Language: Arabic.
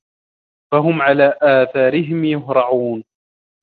فَهُم عَلى آثارِهِم يُهرَعونَ